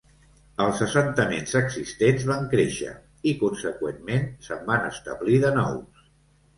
Els assentaments existents van créixer i, conseqüentment, se'n van establir de nous.